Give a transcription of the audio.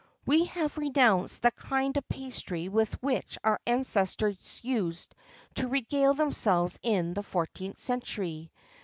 We have renounced the kind of pastry with which our ancestors used to regale themselves in the 14th century.